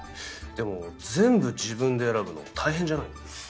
でも全部自分で選ぶの大変じゃないの？